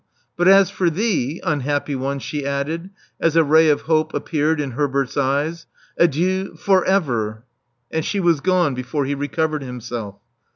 But as for thee, unhappy one," she added, as a ray of hope appeared in Herbert's eyes, '*adieu /or ever.'* And she was gone before he recovered himself.